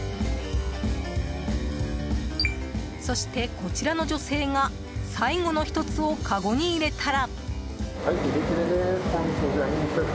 そして、こちらの女性が最後の１つをかごに入れたら。